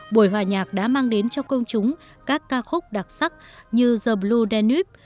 buổi hòa nhạc đã mang đến cho công chúng các ca khúc đặc sắc như the blue danube